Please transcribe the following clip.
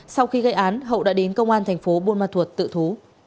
sau khi gây án hậu đã đến công an thành phố buôn ma thuột tự thú